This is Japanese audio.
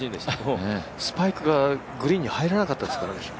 スパイクがグリーンに入らなかったですからね。